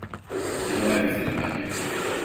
I know everything about you.